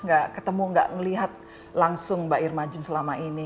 nggak ketemu nggak ngelihat langsung mbak irma jun selama ini